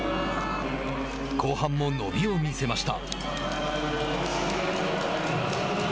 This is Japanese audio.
後半も伸びを見せました。